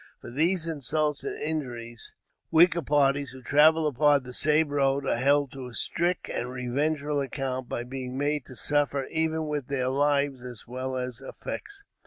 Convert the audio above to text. For these insults and injuries weaker parties who travel upon the same road are held to a strict and revengeful account by being made to suffer even with their lives, as well as effects.